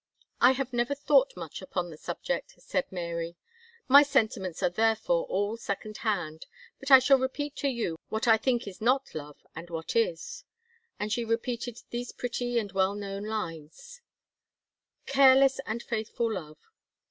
"I have never thought much upon the subject," said Mary; "my sentiments are therefore all at second hand, but I shall repeat to you what I think is not love, and what is." And she repeated these pretty and well known lines: CARELESS AND FAITHFUL LOVE.